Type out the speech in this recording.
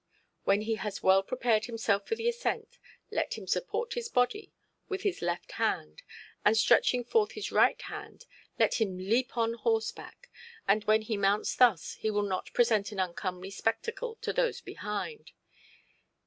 'When he has well prepared himself for the ascent, let him support his body with his left hand, and stretching forth his right hand let him leap on horseback, and when he mounts thus he will not present an uncomely spectacle to those behind.